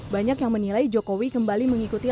banyak yang menilai jokowi kembali mengikuti